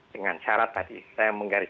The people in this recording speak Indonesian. dengan syarat tadi saya menggaris